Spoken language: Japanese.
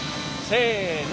せの。